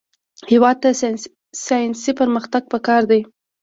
هېواد ته ساینسي پرمختګ پکار دی